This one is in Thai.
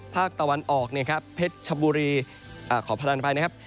ภาคตะวันออกเนี่ยครับเพชรชบุรีขอพนันไปนะครับ